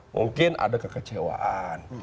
mungkin ada kekecewaan